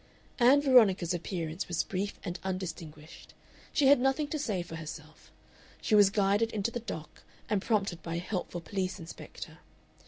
Ann Veronica's appearance was brief and undistinguished. She had nothing to say for herself. She was guided into the dock and prompted by a helpful police inspector.